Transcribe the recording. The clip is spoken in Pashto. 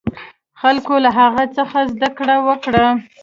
خلکو له هغه څخه زده کړه وکړه.